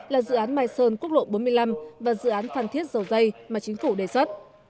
là dự án mai sơn quốc lộ bốn mươi năm và dự án phan thiết dầu dây mà chính phủ đề xuất